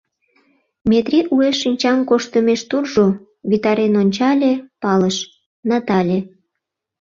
Метрий уэш шинчам корштымеш туржо, витарен ончале, палыш: Натале.